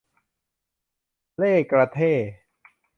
เล่ห์กระเท่ห์